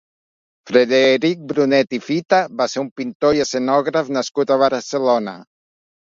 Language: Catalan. Frederic Brunet i Fita va ser un pintor i escenògraf nascut a Barcelona.